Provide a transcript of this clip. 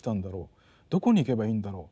どこに行けばいいんだろう